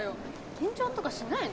緊張とかしないの？